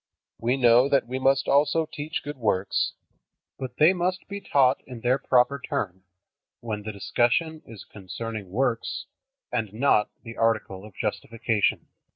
We know that we must also teach good works, but they must be taught in their proper turn, when the discussion is concerning works and not the article of justification.